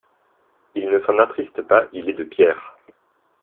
Il ne s'en attriste pas: il est de pierre.